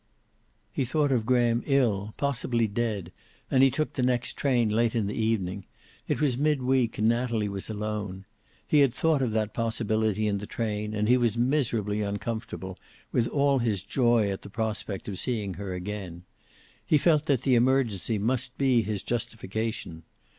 He thought of Graham ill, possibly dead, and he took the next train, late in the evening. It was mid week and Natalie was alone. He had thought of that possibility in the train and he was miserably uncomfortable, with all his joy at the prospect of seeing her again. He felt that the emergency must be his justification.